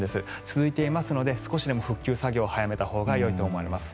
続いていますので少しでも復旧作業を早めたほうがいいと思われます。